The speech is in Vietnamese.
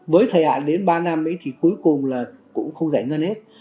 với thời hạn đến ba năm thì cuối cùng là cũng không giải ngân hết